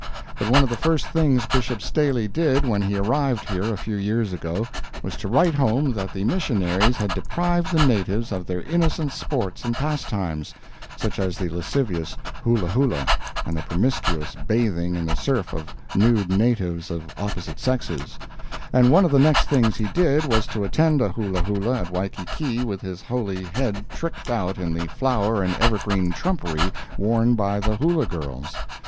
But one of the first things Bishop Staley did when he arrived here a few years ago was to write home that the missionaries had deprived the natives of their innocent sports and pastimes (such as the lascivious hulahula, and the promiscuous bathing in the surf of nude natives of opposite sexes), and one of the next things he did was to attend a hulahula at Waikiki with his holy head tricked out in the flower and evergreen trumpery worn by the hula girls.